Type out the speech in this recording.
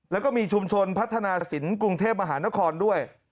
แล้วก็มีชุมชนพัฒนาศิลป์กรุงเทพมหานครด้วย